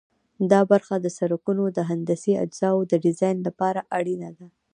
دا برخه د سرکونو د هندسي اجزاوو د ډیزاین لپاره اړینه ده